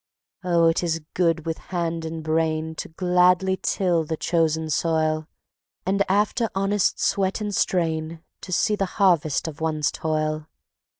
Oh, it is good with hand and brain To gladly till the chosen soil, And after honest sweat and strain To see the harvest of one's toil.